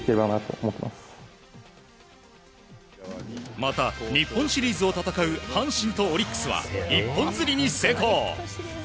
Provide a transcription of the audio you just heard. また日本シリーズを戦う阪神とオリックスは一本釣りに成功。